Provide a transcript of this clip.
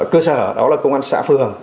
cơ sở đó là công an xã phường